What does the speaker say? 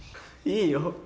いいよ。